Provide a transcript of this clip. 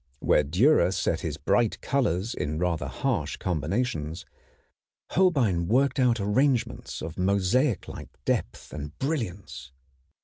Where Dürer set his bright colors in rather harsh combinations, Holbein worked out arrangements of mosaiclike depth and brilliance.